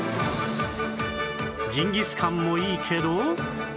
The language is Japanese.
ジンギスカンもいいけど